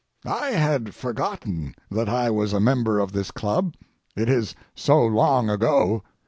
I had forgotten that I was a member of this club—it is so long ago.